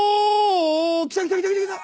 来た来た来た来た来た！